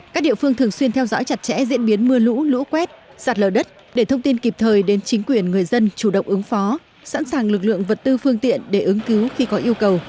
các địa phương thường xuyên theo dõi chặt chẽ diễn biến mưa lũ lũ quét sạt lờ đất để thông tin kịp thời đến chính quyền người dân chủ động ứng phó sẵn sàng lực lượng vật tư phương tiện để ứng cứu khi có yêu cầu